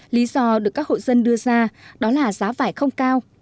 lý do được các hộ dân đưa ra đó là giá vải không cao